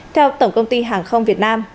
theo tổng công ty hàng không việt nam